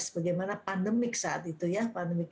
sebagaimana pandemik saat itu ya pandemik